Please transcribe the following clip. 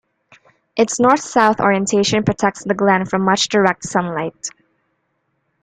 Its north-south orientation protects the glen from much direct sunlight.